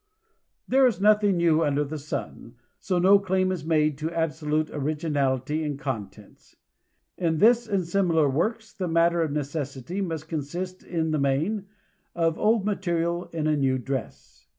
There is nothing new under the sun, so no claim is made to absolute originality in contents. In this and all similar works, the matter of necessity must consist, in the main, of old material in a new dress.